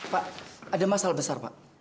pak ada masalah besar pak